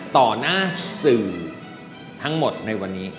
ต่อหน้าสื่อทั้งหมดในวันนี้